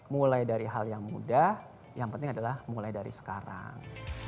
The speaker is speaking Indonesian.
mulai dari hal yang mudah yang penting adalah mulai dari sekarang